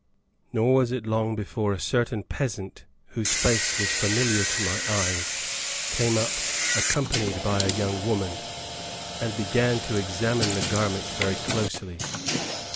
Nor was it long before a certain peasant, whose face was familiar to my eyes, came up, accompanied by a young woman, and began to examine the garment very closely.